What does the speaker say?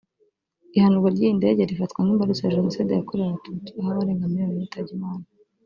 Ihanurwa ry’iyi ndege rifatwa nk’imbarutso ya Jenoside yakorewe Abatutsi aho abarenga Miliyoni bitabye Imana